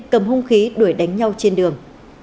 cầm hung khí đuổi đánh nhau trên đường